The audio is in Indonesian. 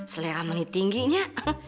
seleran manis tingginya